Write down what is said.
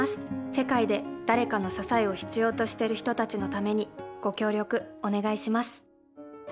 世界で、誰かの支えを必要としている人たちのためにご協力、お願いします。